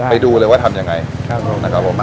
ไปดูเลยว่าทำยังไงนะครับผม